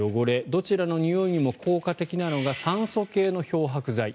どちらのにおいにも効果的なのが酸素系の漂白剤。